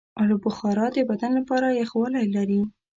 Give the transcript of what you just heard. آلوبخارا د بدن لپاره یخوالی لري.